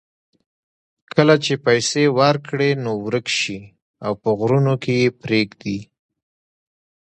کله چې پیسې ورکړې نو ورک شي او په غرونو کې یې پرېږدي.